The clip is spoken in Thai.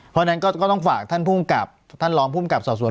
เพราะฉะนั้นก็ต้องฝากท่านลองภูมิกับสอบสวน